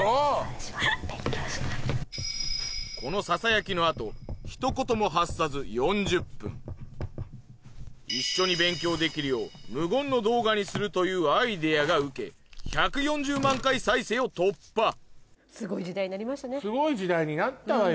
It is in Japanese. このささやきの後一緒に勉強できるよう無言の動画にするというアイデアがウケ１４０万回再生を突破すごい時代になったわよ